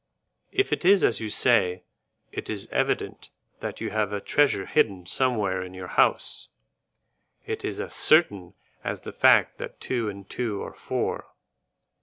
"If it is as you say, it is evident that you have a treasure hidden somewhere in your house; it is as certain as the fact that two and two are four.